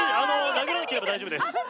殴らなければ大丈夫です